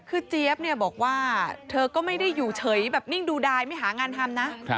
คือเจี๊ยบเนี่ยบอกว่าเธอก็ไม่ได้อยู่เฉยแบบนิ่งดูดายไม่หางานทำนะ